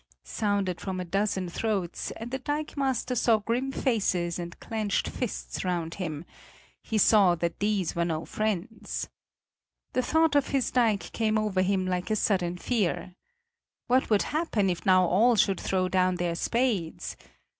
sounded from a dozen throats, and the dikemaster saw grim faces and clenched fists round him; he saw that these were no friends. The thought of his dike came over him like a sudden fear. What would happen if now all should throw down their spades?